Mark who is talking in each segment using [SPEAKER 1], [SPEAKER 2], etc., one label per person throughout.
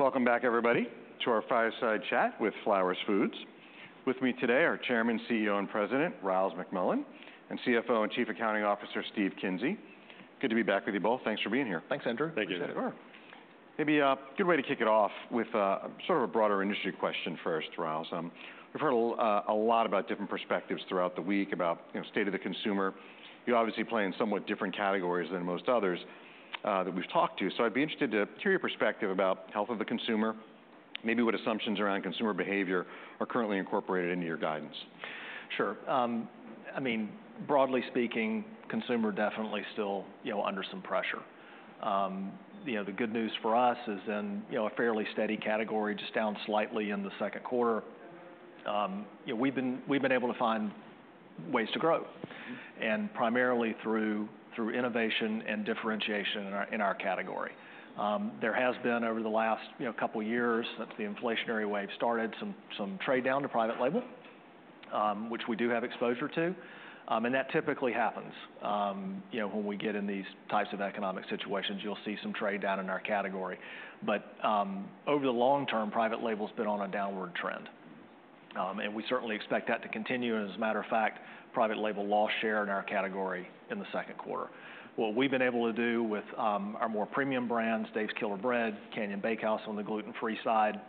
[SPEAKER 1] All righty. Welcome back, everybody, to our fireside chat with Flowers Foods. With me today are Chairman, CEO, and President, Ryals McMullian, and CFO and Chief Accounting Officer, Steve Kinsey. Good to be back with you both. Thanks for being here.
[SPEAKER 2] Thanks, Andrew.
[SPEAKER 3] Thank you.
[SPEAKER 1] Sure. Maybe, a good way to kick it off with, sort of a broader industry question first, Ryals. We've heard a lot about different perspectives throughout the week, about, you know, state of the consumer. You obviously play in somewhat different categories than most others, that we've talked to, so I'd be interested to hear your perspective about health of the consumer, maybe what assumptions around consumer behavior are currently incorporated into your guidance.
[SPEAKER 2] Sure. I mean, broadly speaking, consumer definitely still, you know, under some pressure. You know, the good news for us is in, you know, a fairly steady category, just down slightly in the Q2. You know, we've been able to find ways to grow, and primarily through innovation and differentiation in our category. There has been, over the last, you know, couple years since the inflationary wave started, some trade down to private label, which we do have exposure to. And that typically happens. You know, when we get in these types of economic situations, you'll see some trade down in our category. But, over the long term, private label's been on a downward trend, and we certainly expect that to continue. And as a matter of fact, private label lost share in our category in the Q2. What we've been able to do with our more premium brands, Dave's Killer Bread, Canyon Bakehouse on the gluten-free side,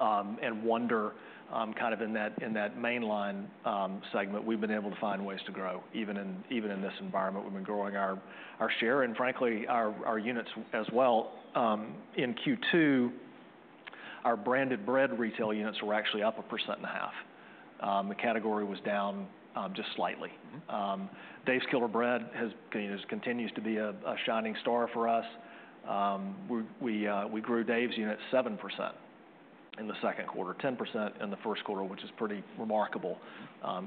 [SPEAKER 2] and Wonder kind of in that mainline segment, we've been able to find ways to grow, even in this environment. We've been growing our share and frankly, our units as well. In Q2, our branded bread retail units were actually up 1.5%. The category was down just slightly. Dave's Killer Bread has, you know, continues to be a shining star for us. We grew Dave's units 7% in the Q2, 10% in the Q1, which is pretty remarkable,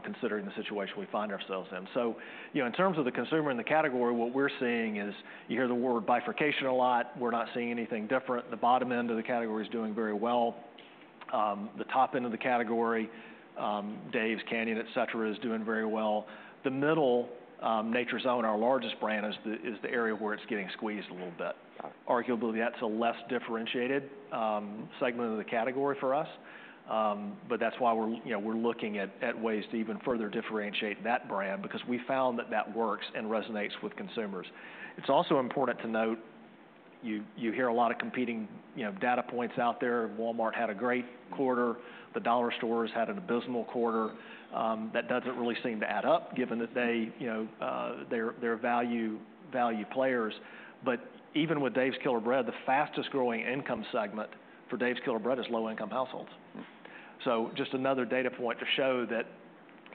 [SPEAKER 2] considering the situation we find ourselves in. So, you know, in terms of the consumer and the category, what we're seeing is, you hear the word bifurcation a lot. We're not seeing anything different. The bottom end of the category is doing very well. The top end of the category, Dave's, Canyon, et cetera, is doing very well. The middle, Nature's Own, our largest brand, is the area where it's getting squeezed a little bit. Arguably, that's a less differentiated segment of the category for us, but that's why we're, you know, looking at ways to even further differentiate that brand, because we found that that works and resonates with consumers. It's also important to note, you hear a lot of competing, you know, data points out there. Walmart had a great quarter. The dollar stores had an abysmal quarter. That doesn't really seem to add up, given that they, you know, they're value players. But even with Dave's Killer Bread, the fastest growing income segment for Dave's Killer Bread is low-income households. So just another data point to show that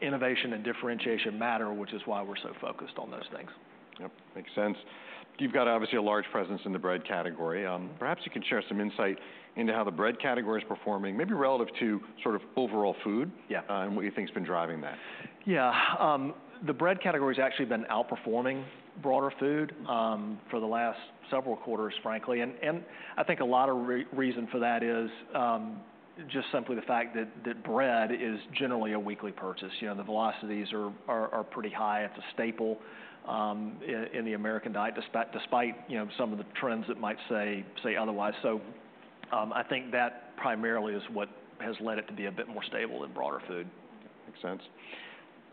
[SPEAKER 2] innovation and differentiation matter, which is why we're so focused on those things.
[SPEAKER 1] Yep, makes sense. You've got, obviously, a large presence in the bread category. Perhaps you can share some insight into how the bread category is performing, maybe relative to sort of overall food-
[SPEAKER 2] Yeah.
[SPEAKER 1] and what you think has been driving that?
[SPEAKER 2] Yeah. The bread category has actually been outperforming broader food for the last several quarters, frankly. And I think a lot of reason for that is just simply the fact that bread is generally a weekly purchase. You know, the velocities are pretty high. It's a staple in the American diet, despite, you know, some of the trends that might say otherwise. So, I think that primarily is what has led it to be a bit more stable in broader food.
[SPEAKER 1] Makes sense.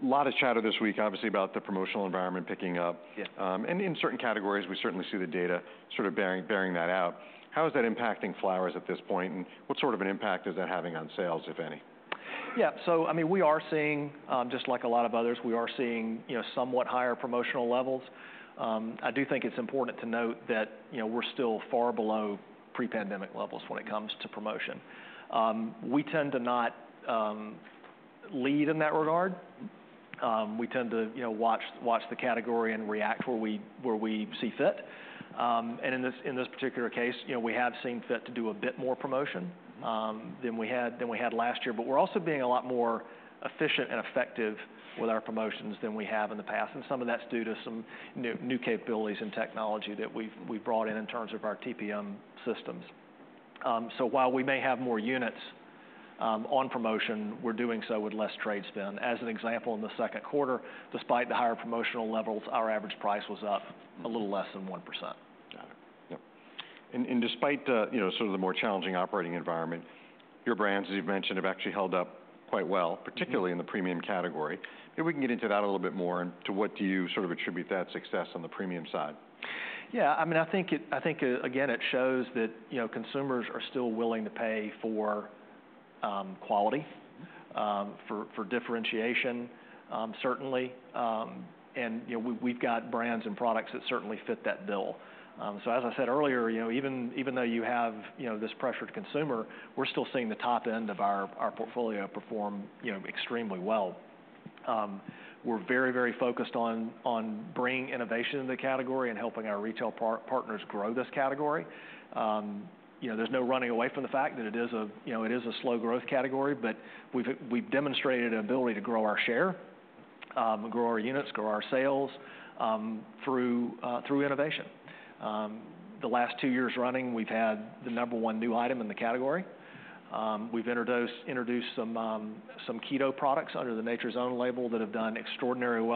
[SPEAKER 1] A lot of chatter this week, obviously, about the promotional environment picking up.
[SPEAKER 2] Yeah.
[SPEAKER 1] And in certain categories, we certainly see the data sort of bearing that out. How is that impacting Flowers at this point, and what sort of an impact is that having on sales, if any?
[SPEAKER 2] Yeah, so I mean, we are seeing, just like a lot of others, you know, somewhat higher promotional levels. I do think it's important to note that, you know, we're still far below pre-pandemic levels when it comes to promotion. We tend to not lead in that regard. We tend to, you know, watch the category and react where we see fit. In this particular case, you know, we have seen fit to do a bit more promotion than we had last year, but we're also being a lot more efficient and effective with our promotions than we have in the past, and some of that's due to some new capabilities and technology that we've brought in, in terms of our TPM systems. So while we may have more units on promotion, we're doing so with less trade spend. As an example, in the Q2, despite the higher promotional levels, our average price was up a little less than 1%.
[SPEAKER 1] Got it. Yep. And despite the, you know, sort of the more challenging operating environment, your brands, as you've mentioned, have actually held up quite well, particularly in the premium category. Maybe we can get into that a little bit more, and to what do you sort of attribute that success on the premium side?
[SPEAKER 2] Yeah, I mean, I think, again, it shows that, you know, consumers are still willing to pay for quality, for differentiation, certainly. And, you know, we've got brands and products that certainly fit that bill. So as I said earlier, you know, even though you have, you know, this pressured consumer, we're still seeing the top end of our portfolio perform, you know, extremely well. We're very focused on bringing innovation in the category and helping our retail partners grow this category. You know, there's no running away from the fact that it is a slow growth category, but we've demonstrated an ability to grow our share, grow our units, grow our sales, through innovation. The last two years running, we've had the number one new item in the category. We've introduced some keto products under the Nature's Own label that have done extraordinarily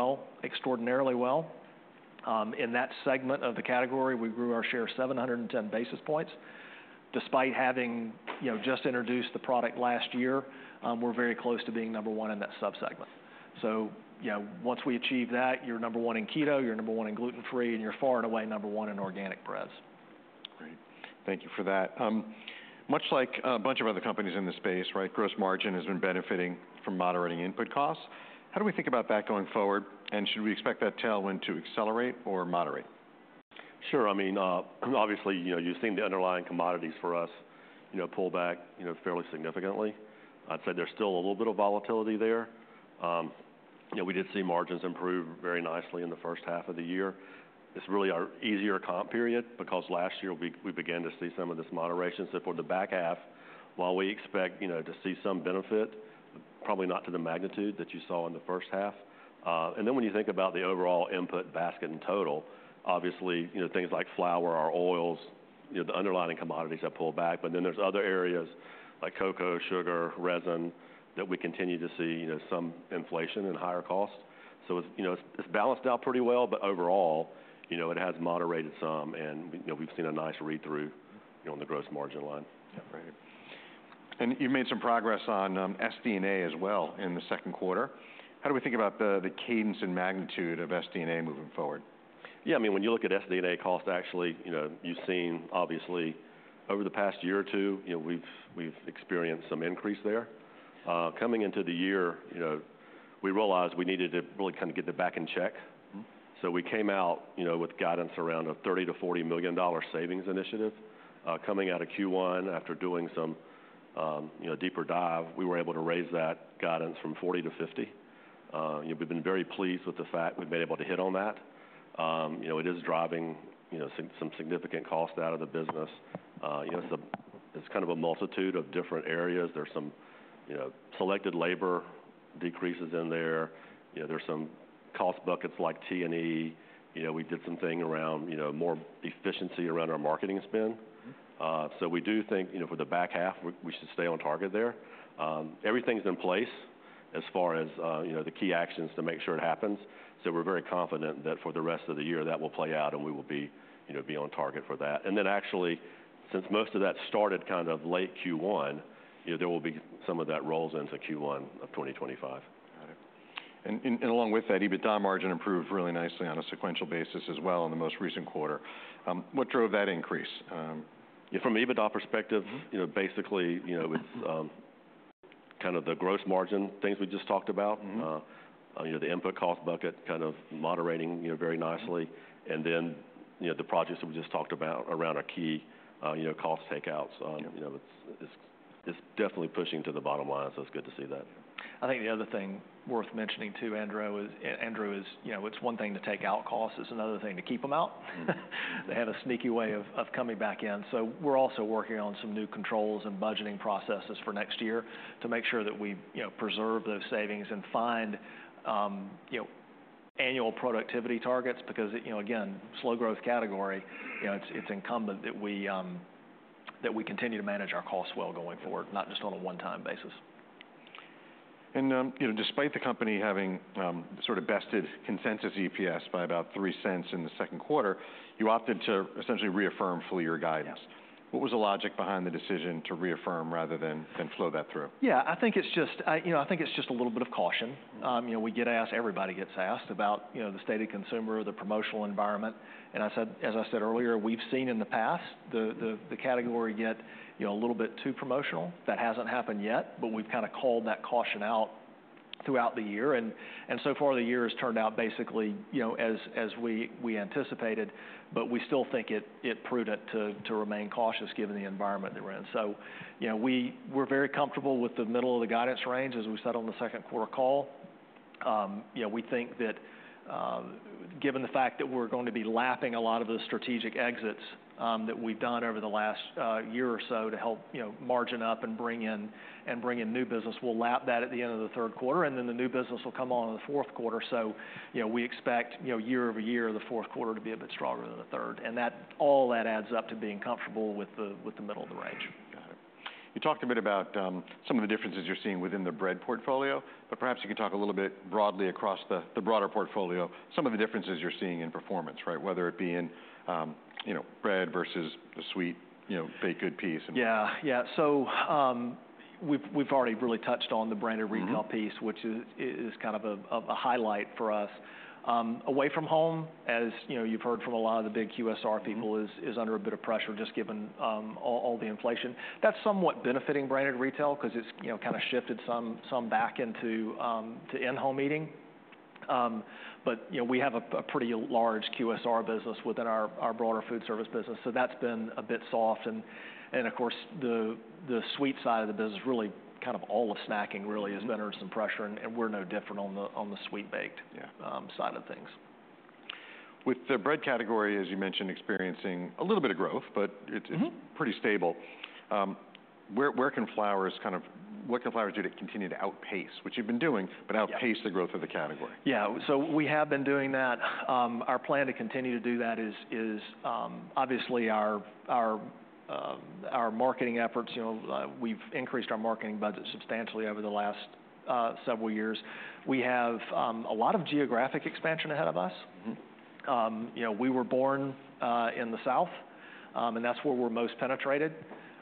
[SPEAKER 2] well in that segment of the category. We grew our share 710 basis points. Despite having, you know, just introduced the product last year, we're very close to being number one in that sub-segment. So, you know, once we achieve that, you're number one in keto, you're number one in gluten-free, and you're far and away number one in organic breads.
[SPEAKER 1] Great. Thank you for that. Much like a bunch of other companies in this space, right, gross margin has been benefiting from moderating input costs. How do we think about that going forward, and should we expect that tailwind to accelerate or moderate?
[SPEAKER 3] Sure. I mean, obviously, you know, you've seen the underlying commodities for us, you know, pull back, you know, fairly significantly. I'd say there's still a little bit of volatility there. You know, we did see margins improve very nicely in the first half of the year. It's really our easier comp period because last year, we began to see some of this moderation. So for the back half, while we expect, you know, to see some benefit, probably not to the magnitude that you saw in the first half. And then when you think about the overall input basket in total, obviously, you know, things like flour, our oils, you know, the underlying commodities have pulled back, but then there's other areas like cocoa, sugar, raisin, that we continue to see, you know, some inflation and higher costs. It's, you know, balanced out pretty well, but overall, you know, it has moderated some, and, you know, we've seen a nice read-through, you know, on the gross margin line.
[SPEAKER 1] Yeah, right. And you've made some progress on SD&A as well in the Q2. How do we think about the cadence and magnitude of SD&A moving forward?
[SPEAKER 3] Yeah, I mean, when you look at SD&A cost, actually, you know, you've seen obviously over the past year or two, you know, we've experienced some increase there. Coming into the year, you know, we realized we needed to really kind of get it back in check.
[SPEAKER 1] Mm-hmm.
[SPEAKER 3] So we came out, you know, with guidance around a $30-$40 million savings initiative. Coming out of Q1, after doing some, you know, deeper dive, we were able to raise that guidance from $40-$50 million. You know, we've been very pleased with the fact we've been able to hit on that. You know, it is driving, you know, some significant cost out of the business. You know, it's kind of a multitude of different areas. There's some, you know, selected labor decreases in there. You know, there's some cost buckets like T&E. You know, we did something around, you know, more efficiency around our marketing spend.
[SPEAKER 1] Mm-hmm.
[SPEAKER 3] So we do think, you know, for the back half, we should stay on target there. Everything's in place as far as, you know, the key actions to make sure it happens. So we're very confident that for the rest of the year, that will play out, and we will be, you know, on target for that. Then actually, since most of that started kind of late Q1, you know, there will be some of that rolls into Q1 of twenty twenty-five.
[SPEAKER 1] Got it. And along with that, EBITDA margin improved really nicely on a sequential basis as well in the most recent quarter. What drove that increase?
[SPEAKER 3] Yeah, from an EBITDA perspective-
[SPEAKER 1] Mm-hmm...
[SPEAKER 3] you know, basically, you know, it's kind of the gross margin things we just talked about.
[SPEAKER 1] Mm-hmm.
[SPEAKER 3] You know, the input cost bucket kind of moderating, you know, very nicely.
[SPEAKER 1] Mm-hmm.
[SPEAKER 3] And then, you know, the projects that we just talked about around our key, you know, cost takeouts.
[SPEAKER 1] Yeah.
[SPEAKER 3] You know, it's definitely pushing to the bottom line, so it's good to see that.
[SPEAKER 2] I think the other thing worth mentioning, too, Andrew, is, you know, it's one thing to take out costs, it's another thing to keep them out.
[SPEAKER 1] Mm-hmm.
[SPEAKER 2] They have a sneaky way of coming back in. So we're also working on some new controls and budgeting processes for next year to make sure that we, you know, preserve those savings and find, you know, annual productivity targets. Because, you know, again, slow growth category, you know, it's incumbent that we, that we continue to manage our costs well going forward, not just on a one-time basis.
[SPEAKER 1] You know, despite the company having sort of bested consensus EPS by about $0.03 in the Q2, you opted to essentially reaffirm full year guidance.
[SPEAKER 2] Yeah.
[SPEAKER 1] What was the logic behind the decision to reaffirm rather than flow that through?
[SPEAKER 2] Yeah, I think it's just... you know, I think it's just a little bit of caution.
[SPEAKER 1] Mm-hmm.
[SPEAKER 2] You know, we get asked, everybody gets asked about, you know, the state of consumer, the promotional environment. And I said, as I said earlier, we've seen in the past, the category get, you know, a little bit too promotional. That hasn't happened yet, but we've kind of called that caution out throughout the year, and so far, the year has turned out basically, you know, as we anticipated, but we still think it prudent to remain cautious given the environment that we're in. So, you know, we're very comfortable with the middle of the guidance range, as we said on the Q2 call. You know, we think that, given the fact that we're going to be lapping a lot of the strategic exits that we've done over the last year or so to help, you know, margin up and bring in, and bring in new business, we'll lap that at the end of the Q3, and then the new business will come on in the Q4. So, you know, we expect, you know, year over year, the Q4 to be a bit stronger than the third, and that all that adds up to being comfortable with the, with the middle of the range.
[SPEAKER 1] Got it. You talked a bit about some of the differences you're seeing within the bread portfolio, but perhaps you could talk a little bit broadly across the broader portfolio, some of the differences you're seeing in performance, right? Whether it be in, you know, bread versus the sweet, you know, baked good piece.
[SPEAKER 2] Yeah. Yeah. So, we've already really touched on the branded retail-
[SPEAKER 1] Mm-hmm...
[SPEAKER 2] piece, which is kind of a highlight for us. Away from home, as you know, you've heard from a lot of the big QSR people-
[SPEAKER 1] Mm-hmm...
[SPEAKER 2] is under a bit of pressure, just given all the inflation. That's somewhat benefiting branded retail because it's, you know, kind of shifted some back into to in-home eating. But, you know, we have a pretty large QSR business within our broader food service business, so that's been a bit soft. And, of course, the sweet side of the business, really, kind of all of snacking really-
[SPEAKER 1] Mm-hmm...
[SPEAKER 2] has been under some pressure, and we're no different on the sweet baked-
[SPEAKER 1] Yeah...
[SPEAKER 2] side of things.
[SPEAKER 1] With the bread category, as you mentioned, experiencing a little bit of growth, but it's-
[SPEAKER 2] Mm-hmm...
[SPEAKER 1] pretty stable. What can Flowers do to continue to outpace, which you've been doing-
[SPEAKER 2] Yeah...
[SPEAKER 1] but outpace the growth of the category?
[SPEAKER 2] Yeah, so we have been doing that. Our plan to continue to do that is obviously our marketing efforts. You know, we've increased our marketing budget substantially over the last several years. We have a lot of geographic expansion ahead of us.
[SPEAKER 1] Mm-hmm.
[SPEAKER 2] You know, we were born in the South, and that's where we're most penetrated.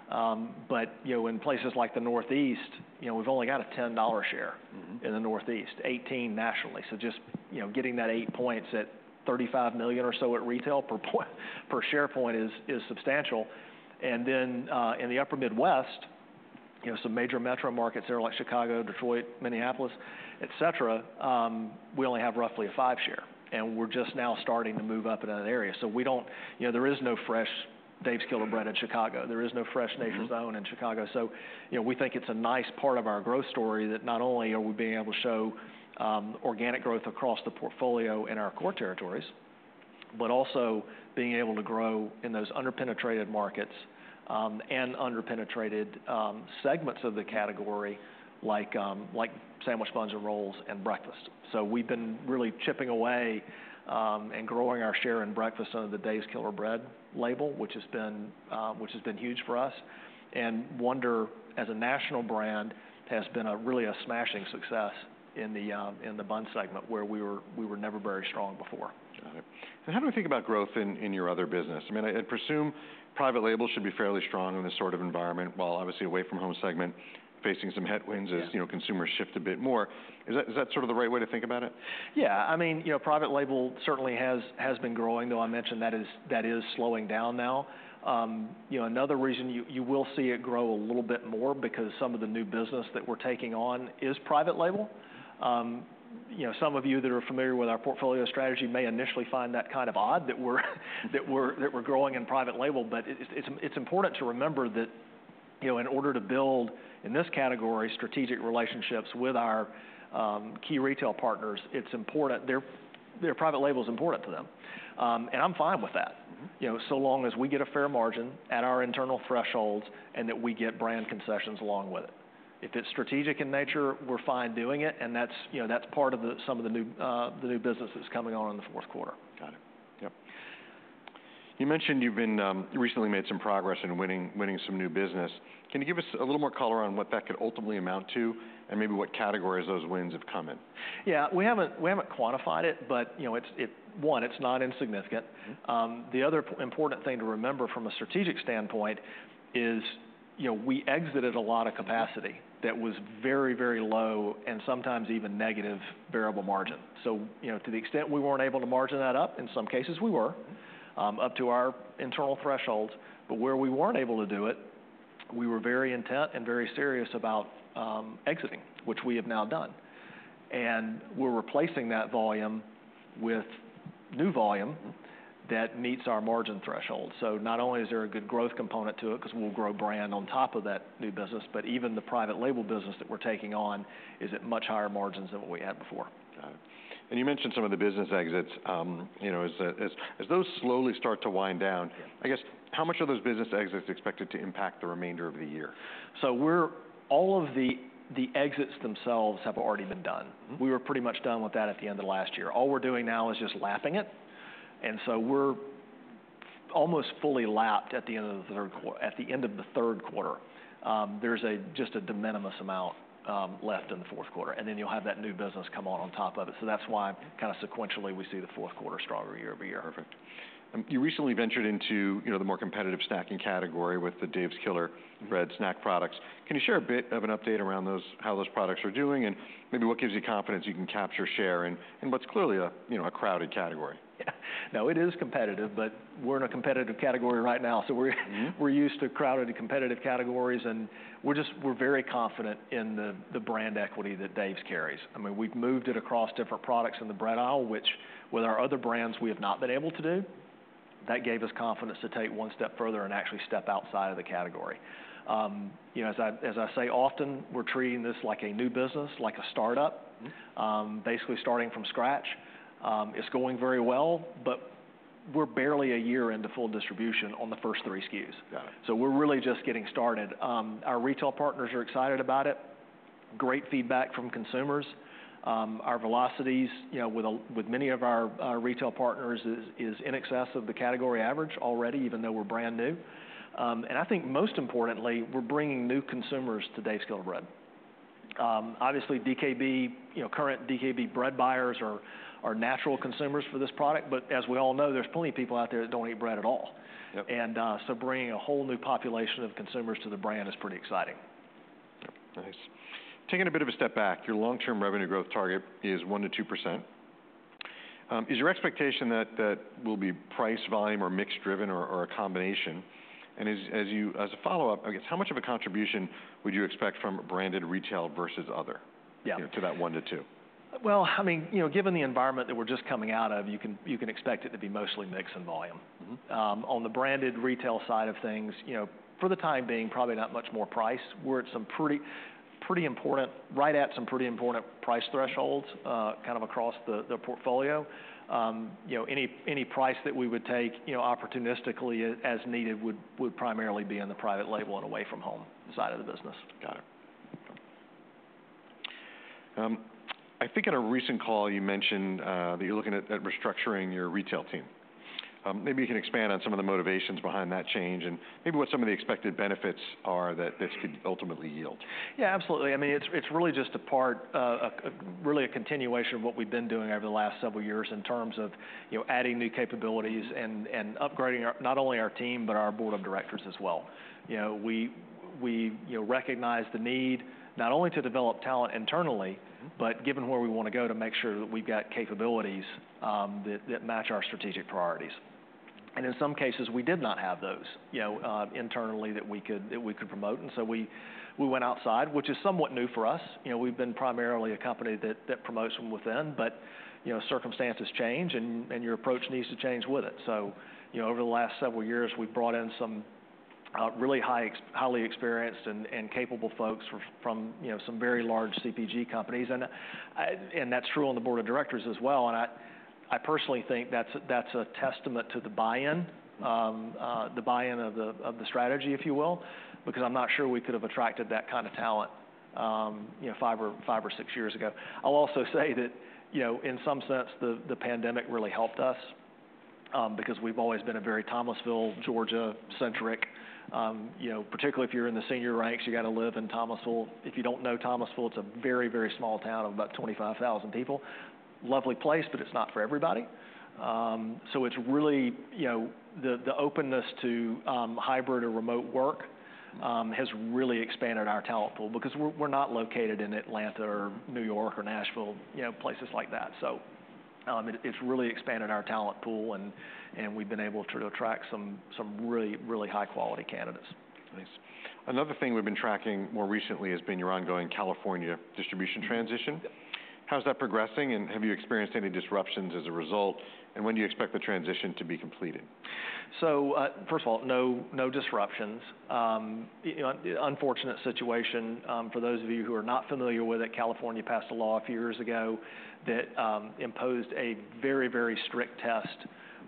[SPEAKER 2] But, you know, in places like the Northeast, you know, we've only got a 10% share-
[SPEAKER 1] Mm-hmm.
[SPEAKER 2] in the Northeast, 18% nationally. So just, you know, getting that 8 points at $35 million or so at retail per share point is substantial. And then, in the Upper Midwest, you know, some major metro markets there, like Chicago, Detroit, Minneapolis, et cetera, we only have roughly a 5% share, and we're just now starting to move up in that area. So we don't... You know, there is no fresh Dave's Killer Bread in Chicago. There is no fresh Nature's Own in Chicago.
[SPEAKER 1] Mm-hmm.
[SPEAKER 2] So, you know, we think it's a nice part of our growth story, that not only are we being able to show organic growth across the portfolio in our core territories, but also being able to grow in those under-penetrated markets and under-penetrated segments of the category, like like sandwich buns and rolls and breakfast. So we've been really chipping away and growing our share in breakfast under the Dave's Killer Bread label, which has been huge for us. And Wonder, as a national brand, has been a really smashing success in the bun segment, where we were never very strong before.
[SPEAKER 1] Got it. And how do we think about growth in your other business? I mean, I presume private label should be fairly strong in this sort of environment, while obviously, away from home segment facing some headwinds.
[SPEAKER 2] Yeah
[SPEAKER 1] as you know, consumers shift a bit more. Is that, is that sort of the right way to think about it?
[SPEAKER 2] Yeah. I mean, you know, private label certainly has been growing, though I mentioned that is slowing down now. You know, another reason you will see it grow a little bit more, because some of the new business that we're taking on is private label. You know, some of you that are familiar with our portfolio strategy may initially find that kind of odd, that we're growing in private label. But it's important to remember that, you know, in order to build in this category strategic relationships with our key retail partners, it's important. Their private label is important to them. And I'm fine with that.
[SPEAKER 1] Mm-hmm.
[SPEAKER 2] You know, so long as we get a fair margin at our internal thresholds, and that we get brand concessions along with it. If it's strategic in nature, we're fine doing it, and that's, you know, that's part of the, some of the new, the new businesses coming on in the fourth quarter.
[SPEAKER 1] Got it. Yep. You mentioned you recently made some progress in winning some new business. Can you give us a little more color on what that could ultimately amount to, and maybe what categories those wins have come in?
[SPEAKER 2] Yeah, we haven't quantified it but, you know, it's not insignificant.
[SPEAKER 1] Mm-hmm.
[SPEAKER 2] The other important thing to remember from a strategic standpoint is, you know, we exited a lot of capacity that was very, very low and sometimes even negative variable margin. So, you know, to the extent we weren't able to margin that up, in some cases we were up to our internal thresholds. But where we weren't able to do it, we were very intent and very serious about exiting, which we have now done. And we're replacing that volume with new volume-
[SPEAKER 1] Mm-hmm...
[SPEAKER 2] that meets our margin threshold. So not only is there a good growth component to it, 'cause we'll grow brand on top of that new business, but even the private label business that we're taking on is at much higher margins than what we had before.
[SPEAKER 1] Got it. And you mentioned some of the business exits. You know, as those slowly start to wind down.
[SPEAKER 2] Yeah
[SPEAKER 1] I guess, how much are those business exits expected to impact the remainder of the year?
[SPEAKER 2] So, we're all of the exits themselves have already been done.
[SPEAKER 1] Mm-hmm.
[SPEAKER 2] We were pretty much done with that at the end of last year. All we're doing now is just lapping it, and so we're almost fully lapped at the end of the third quarter. There's just a de minimis amount left in the fourth quarter, and then you'll have that new business come on on top of it. So that's why kind of sequentially, we see the fourth quarter stronger year over year.
[SPEAKER 1] Perfect. You recently ventured into, you know, the more competitive snacking category with the Dave's Killer Bread snack products. Can you share a bit of an update around those, how those products are doing, and maybe what gives you confidence you can capture share in what's clearly a, you know, a crowded category?
[SPEAKER 2] Yeah. No, it is competitive, but we're in a competitive category right now, so we're,
[SPEAKER 1] Mm-hmm...
[SPEAKER 2] we're used to crowded and competitive categories, and we're very confident in the brand equity that Dave's carries. I mean, we've moved it across different products in the bread aisle, which with our other brands, we have not been able to do. That gave us confidence to take it one step further and actually step outside of the category. You know, as I say often, we're treating this like a new business, like a startup.
[SPEAKER 1] Mm-hmm.
[SPEAKER 2] Basically starting from scratch. It's going very well, but we're barely a year into full distribution on the first three SKUs.
[SPEAKER 1] Got it.
[SPEAKER 2] So we're really just getting started. Our retail partners are excited about it, great feedback from consumers. Our velocities, you know, with many of our retail partners is in excess of the category average already, even though we're brand new. And I think most importantly, we're bringing new consumers to Dave's Killer Bread. Obviously, DKB, you know, current DKB bread buyers are natural consumers for this product, but as we all know, there's plenty of people out there that don't eat bread at all.
[SPEAKER 1] Yep.
[SPEAKER 2] Bringing a whole new population of consumers to the brand is pretty exciting.
[SPEAKER 1] Yep, nice. Taking a bit of a step back, your long-term revenue growth target is 1%-2%. Is your expectation that that will be price, volume or mix driven or a combination? And as a follow-up, I guess, how much of a contribution would you expect from branded retail versus other-
[SPEAKER 2] Yeah...
[SPEAKER 1] to that one to two?
[SPEAKER 2] I mean, you know, given the environment that we're just coming out of, you can expect it to be mostly mix and volume.
[SPEAKER 1] Mm-hmm.
[SPEAKER 2] On the branded retail side of things, you know, for the time being, probably not much more price. We're right at some pretty important price thresholds, kind of across the portfolio. You know, any price that we would take, you know, opportunistically as needed, would primarily be in the private label and away from home side of the business.
[SPEAKER 1] Got it. I think in a recent call, you mentioned that you're looking at restructuring your retail team. Maybe you can expand on some of the motivations behind that change, and maybe what some of the expected benefits are that this could ultimately yield.
[SPEAKER 2] Yeah, absolutely. I mean, it's really just a part, really a continuation of what we've been doing over the last several years in terms of, you know, adding new capabilities and upgrading our, not only our team, but our board of directors as well. You know, we, you know, recognize the need, not only to develop talent internally, but given where we want to go, to make sure that we've got capabilities, that match our strategic priorities. And in some cases, we did not have those, you know, internally, that we could promote, and so we went outside, which is somewhat new for us. You know, we've been primarily a company that promotes from within, but, you know, circumstances change, and your approach needs to change with it. So, you know, over the last several years, we've brought in some really highly experienced and capable folks from, you know, some very large CPG companies, and that's true on the board of directors as well. And I personally think that's a testament to the buy-in of the strategy, if you will, because I'm not sure we could have attracted that kind of talent, you know, five or six years ago. I'll also say that, you know, in some sense, the pandemic really helped us, because we've always been a very Thomasville, Georgia-centric. You know, particularly if you're in the senior ranks, you gotta live in Thomasville. If you don't know Thomasville, it's a very small town of about 25,000 people. Lovely place, but it's not for everybody. So it's really, you know, the openness to hybrid or remote work has really expanded our talent pool because we're not located in Atlanta or New York or Nashville, you know, places like that. So it's really expanded our talent pool, and we've been able to attract some really high-quality candidates.
[SPEAKER 1] Thanks. Another thing we've been tracking more recently has been your ongoing California distribution transition.
[SPEAKER 2] Mm-hmm. Yep.
[SPEAKER 1] How's that progressing, and have you experienced any disruptions as a result? And when do you expect the transition to be completed?
[SPEAKER 2] So, first of all, no, no disruptions. You know, unfortunate situation. For those of you who are not familiar with it, California passed a law a few years ago that imposed a very, very strict test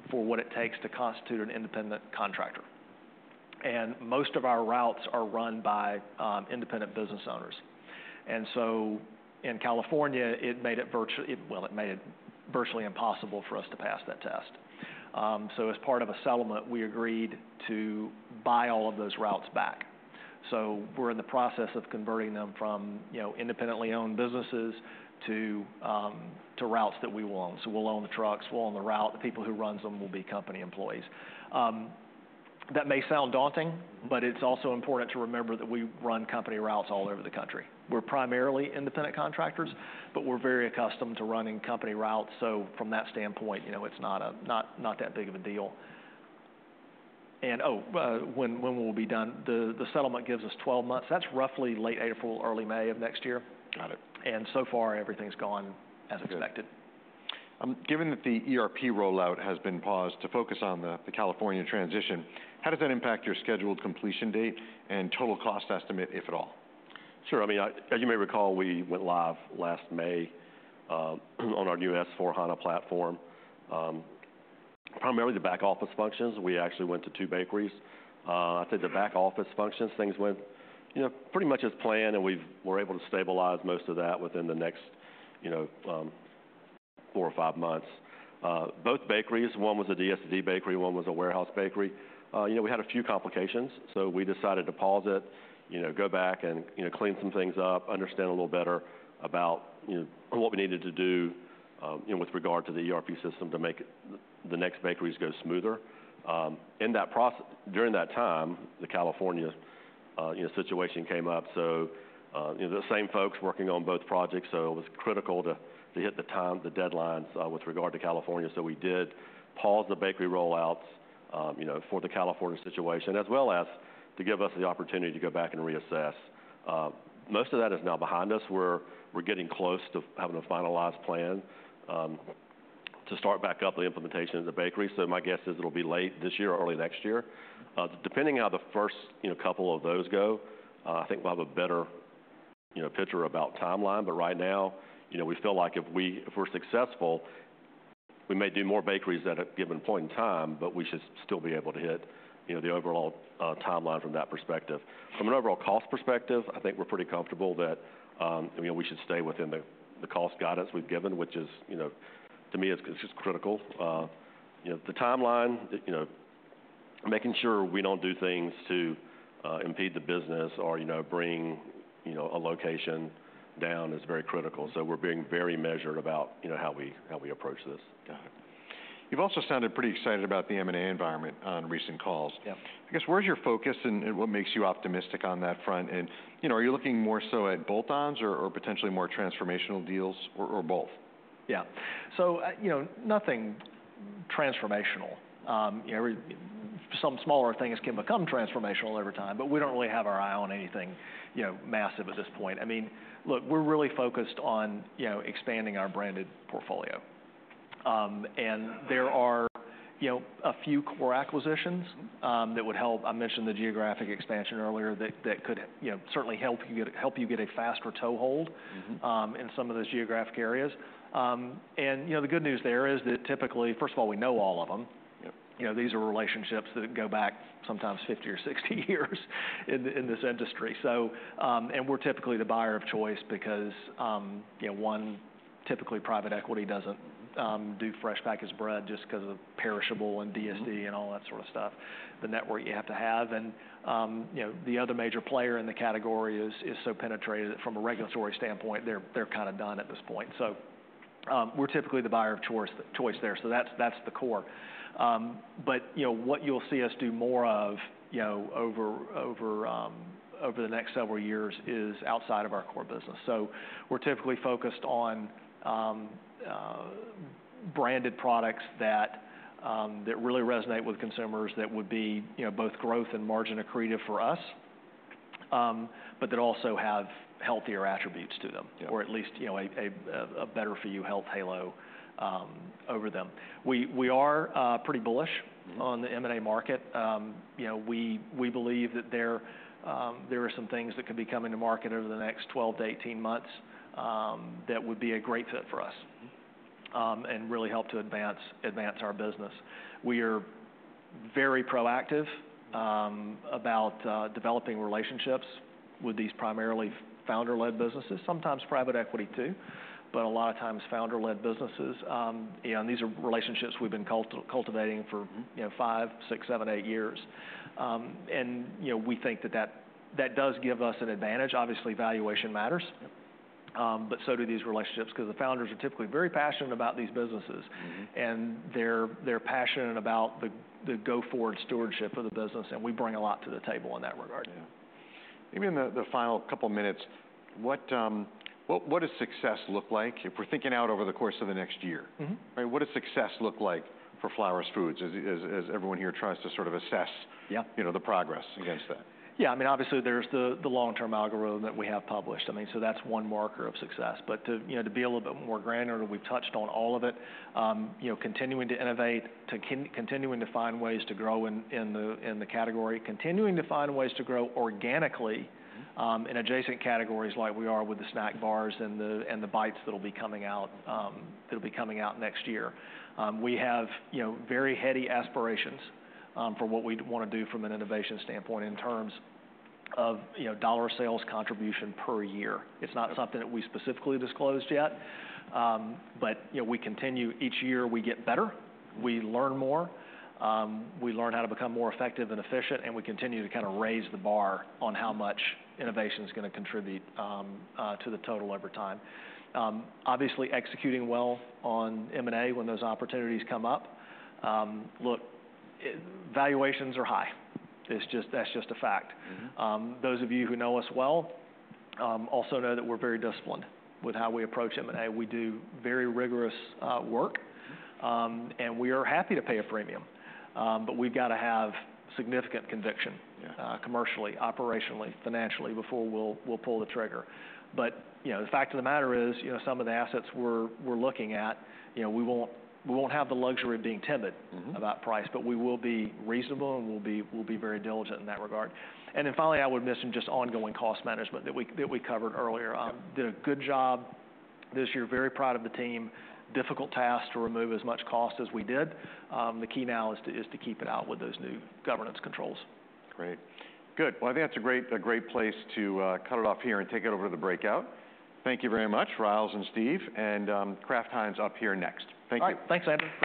[SPEAKER 2] for what it takes to constitute an independent contractor. And most of our routes are run by independent business owners. And so in California, it made it virtually impossible for us to pass that test. So as part of a settlement, we agreed to buy all of those routes back. So we're in the process of converting them from, you know, independently owned businesses to routes that we will own. So we'll own the trucks, we'll own the route, the people who runs them will be company employees. That may sound daunting, but it's also important to remember that we run company routes all over the country. We're primarily independent contractors, but we're very accustomed to running company routes. So from that standpoint, you know, it's not that big of a deal. And when we'll be done? The settlement gives us twelve months. That's roughly late April, early May of next year.
[SPEAKER 1] Got it.
[SPEAKER 2] So far, everything's gone as expected.
[SPEAKER 1] Given that the ERP rollout has been paused to focus on the California transition, how does that impact your scheduled completion date and total cost estimate, if at all?
[SPEAKER 3] Sure. I mean, as you may recall, we went live last May on our new S/4HANA platform. Primarily, the back office functions, we actually went to two bakeries. I'd say the back office functions, things went, you know, pretty much as planned, and we've- we're able to stabilize most of that within the next, you know, four or five months. Both bakeries, one was a DSD bakery, one was a warehouse bakery. You know, we had a few complications, so we decided to pause it, you know, go back and, you know, clean some things up, understand a little better about, you know, what we needed to do, you know, with regard to the ERP system to make it- the next bakeries go smoother. In that process during that time, the California situation came up, so you know, the same folks working on both projects, so it was critical to hit the time, the deadlines with regard to California. So we did pause the bakery rollouts, you know, for the California situation, as well as to give us the opportunity to go back and reassess. Most of that is now behind us. We're getting close to having a finalized plan to start back up the implementation of the bakery. So my guess is it'll be late this year or early next year. Depending on how the first couple of those go, I think we'll have a better picture about timeline. But right now, you know, we feel like if we're successful, we may do more bakeries at a given point in time, but we should still be able to hit, you know, the overall timeline from that perspective. From an overall cost perspective, I think we're pretty comfortable that, you know, we should stay within the cost guidance we've given, which is, you know, to me, it's just critical. You know, the timeline, you know, making sure we don't do things to impede the business or, you know, bring, you know, a location down is very critical. So we're being very measured about, you know, how we approach this.
[SPEAKER 1] Got it. You've also sounded pretty excited about the M&A environment on recent calls.
[SPEAKER 2] Yeah.
[SPEAKER 1] I guess, where's your focus, and, and what makes you optimistic on that front, and, you know, are you looking more so at bolt-ons or, or potentially more transformational deals or, or both?
[SPEAKER 2] Yeah, so you know, nothing transformational. Some smaller things can become transformational over time, but we don't really have our eye on anything, you know, massive at this point. I mean, look, we're really focused on, you know, expanding our branded portfolio. You know, a few core acquisitions that would help. I mentioned the geographic expansion earlier, that could, you know, certainly help you get a faster toehold.
[SPEAKER 1] Mm-hmm.
[SPEAKER 2] in some of those geographic areas. And, you know, the good news there is that typically, first of all, we know all of them.
[SPEAKER 1] Yep.
[SPEAKER 2] You know, these are relationships that go back sometimes 50 or 60 years in this industry. So, and we're typically the buyer of choice because, you know, one, typically, private equity doesn't do fresh packaged bread just 'cause of perishable and DSD-
[SPEAKER 1] Mm-hmm...
[SPEAKER 2] and all that sort of stuff, the network you have to have, and you know, the other major player in the category is so penetrated that from a regulatory standpoint, they're kind of done at this point. So, we're typically the buyer of choice there. So that's the core, but you know, what you'll see us do more of, you know, over the next several years is outside of our core business. So we're typically focused on branded products that really resonate with consumers, that would be, you know, both growth and margin accretive for us, but that also have healthier attributes to them.
[SPEAKER 1] Yeah...
[SPEAKER 2] or at least, you know, a better-for-you health halo over them. We are pretty bullish-
[SPEAKER 1] Mm.
[SPEAKER 2] -on the M&A market. You know, we believe that there are some things that could be coming to market over the next twelve to eighteen months that would be a great fit for us-
[SPEAKER 1] Mm-hmm...
[SPEAKER 2] and really help to advance our business. We are very proactive about developing relationships with these primarily founder-led businesses, sometimes private equity, too, but a lot of times, founder-led businesses, and these are relationships we've been cultivating for, you know, five, six, seven, eight years, and you know, we think that that does give us an advantage. Obviously, valuation matters-
[SPEAKER 1] Yep ...
[SPEAKER 2] but so do these relationships, 'cause the founders are typically very passionate about these businesses.
[SPEAKER 1] Mm-hmm.
[SPEAKER 2] They're passionate about the go-forward stewardship of the business, and we bring a lot to the table in that regard.
[SPEAKER 1] Yeah. Maybe in the final couple minutes, what does success look like if we're thinking out over the course of the next year?
[SPEAKER 2] Mm-hmm.
[SPEAKER 1] Right, what does success look like for Flowers Foods as everyone here tries to sort of assess-
[SPEAKER 2] Yeah...
[SPEAKER 1] you know, the progress against that?
[SPEAKER 2] Yeah, I mean, obviously there's the long-term algorithm that we have published. I mean, so that's one marker of success. But to, you know, to be a little bit more granular, we've touched on all of it. You know, continuing to innovate, continuing to find ways to grow in the category, continuing to find ways to grow organically-
[SPEAKER 1] Mm-hmm...
[SPEAKER 2] in adjacent categories like we are with the snack bars and the bites that'll be coming out next year. We have, you know, very heady aspirations for what we'd wanna do from an innovation standpoint in terms of, you know, dollar sales contribution per year. It's not something that we specifically disclosed yet, but you know we continue. Each year, we get better, we learn more, we learn how to become more effective and efficient, and we continue to kind of raise the bar on how much innovation is gonna contribute to the total over time. Obviously, executing well on M&A when those opportunities come up. Look, valuations are high. It's just. That's just a fact.
[SPEAKER 1] Mm-hmm.
[SPEAKER 2] Those of you who know us well, also know that we're very disciplined with how we approach M&A. We do very rigorous work.
[SPEAKER 1] Mm-hmm.
[SPEAKER 2] and we are happy to pay a premium, but we've got to have significant conviction-
[SPEAKER 1] Yeah...
[SPEAKER 2] commercially, operationally, financially, before we'll pull the trigger, but you know, the fact of the matter is, you know, some of the assets we're looking at, you know, we won't have the luxury of being timid-
[SPEAKER 1] Mm-hmm...
[SPEAKER 2] about price, but we will be reasonable, and we'll be very diligent in that regard. And then finally, I would mention just ongoing cost management that we covered earlier.
[SPEAKER 1] Yep.
[SPEAKER 2] Did a good job this year. Very proud of the team. Difficult task to remove as much cost as we did. The key now is to keep it out with those new governance controls.
[SPEAKER 1] Great. Good. Well, I think that's a great place to cut it off here and take it over to the breakout. Thank you very much, Ryals and Steve, and Kraft Heinz up here next. Thank you.
[SPEAKER 2] All right. Thanks, Andy.